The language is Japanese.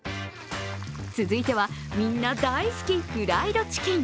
続いては、みんな大好きフライドチキン。